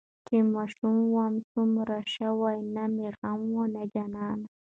چې ماشوم وم سومره شه وو نه مې غم وو نه جانان.